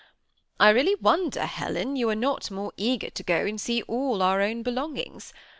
I really wonder, Helen, you are not more eager to go and see all our own belongings.